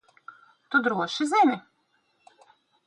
Tu droši zini?